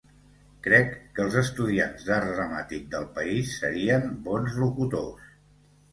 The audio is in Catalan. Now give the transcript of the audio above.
Crec que els estudiants d'art dramàtic del país serien bons locutors